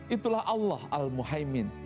itulah allah al muhajir